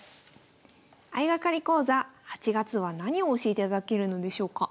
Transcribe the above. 相掛かり講座８月は何を教えていただけるのでしょうか？